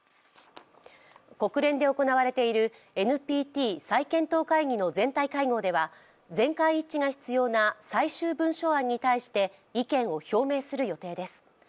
国連で行われているＮＰＴ再検討会議の全体会合では全会一致が必要な最終文書案に対して意見を表明する予定です。